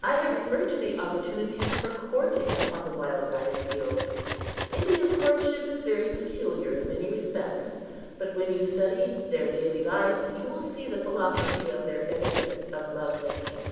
I have referred to the opportunities for courting upon the wild rice fields. Indian courtship is very peculiar in many respects; but when you study their daily life you will see the philosophy of their etiquette of love making.